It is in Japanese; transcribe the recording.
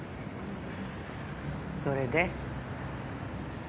それで？